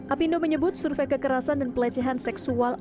apindo menyebut survei kekerasan dan pelecehan seksual